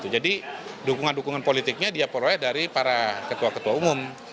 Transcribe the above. jadi dukungan dukungan politiknya dia proyek dari para ketua ketua umum